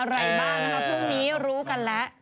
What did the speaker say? เพราะพรุ่งนี้รู้กันแล้ว